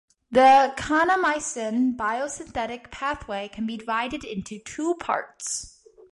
The kanamycin biosynthetic pathway can be divided into two parts.